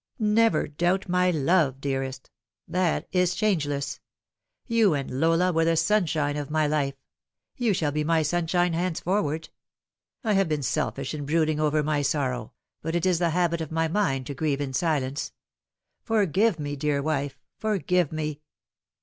Never doubt my love, dearest. That is changeless. You and Lola were the sunshine of my life. You shall be my sunshine henceforward, I have 76 The Fatal Three. been selfish in brooding over my sorrow ; but it is the habit of my mind to grieve in silence. Forgive me, dear wife ; forgive me."